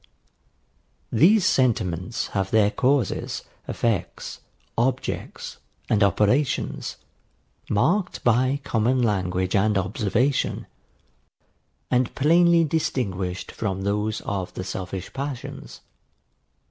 These sentiments have their causes, effects, objects, and operations, marked by common language and observation, and plainly distinguished from those of the selfish passions.